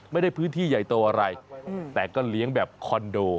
ไม่ได้พื้นที่ใหญ่โตอะไรแต่ก็เลี้ยงแบบคอนโด